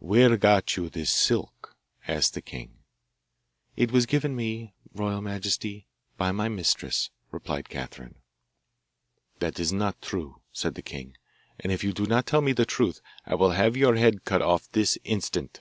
'Where got you this silk?' asked the king. 'It was given me, royal majesty, by my mistress,' replied Catherine. 'That is not true,' said the king, 'and if you do not tell me the truth I will have your head cut off this instant.